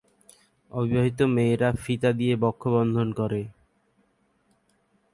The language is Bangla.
অবিবাহিত মেয়েরা ফিতা দিয়ে বক্ষ বন্ধন করে।